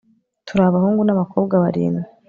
Turi abahungu nabakobwa barindwi